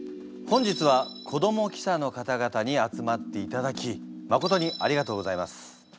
本日は子ども記者の方々に集まっていただきまことにありがとうございます。